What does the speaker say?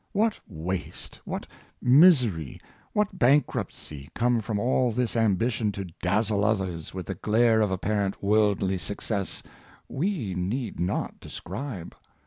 What waste, what misery, what bankruptcy, come from all this ambition to dazzle others with the glare of apparent worldly success, we need not describe.